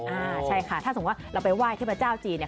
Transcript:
อ่าใช่ค่ะถ้าสมมุติว่าเราไปไหว้เทพเจ้าจีนเนี่ย